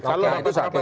bukan kalau aku sakit